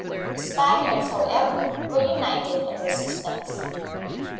The Span iards, however, were united on resistance.